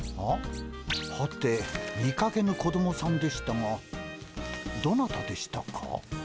はて見かけぬ子供さんでしたがどなたでしたか？